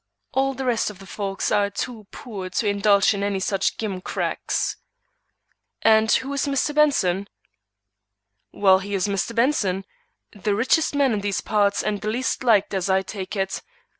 All the rest of the folks are too poor to indulge in any such gimcracks." "And who is Mr. Benson?" "Well, he is Mr. Benson, the richest man in these parts and the least liked as I take it.